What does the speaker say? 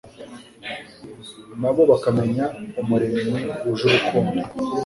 na bo bakamenya Umuremyi wuje urukundo